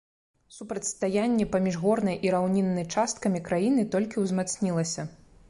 Супрацьстаянне паміж горнай і раўніннай часткамі краіны толькі ўзмацнілася.